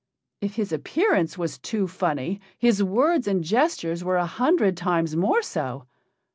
If his appearance was too funny, his words and gestures were a hundred times more so.